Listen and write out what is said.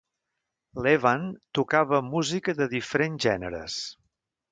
Levan tocava música de diferents gèneres.